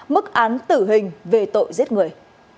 bắt tử hình về tội giết người